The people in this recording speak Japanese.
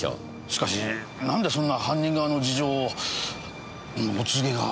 しかしなんでそんな犯人側の事情をお告げが。